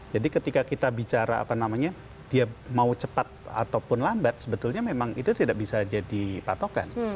jadi ketika kita bicara apa namanya dia mau cepat ataupun lambat sebetulnya memang itu tidak bisa jadi patokan